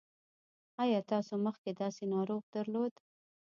ایا تاسو مخکې داسې ناروغ درلود؟